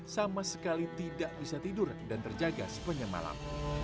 sama sekali tidak bisa tidur dan terjaga sepanjang malam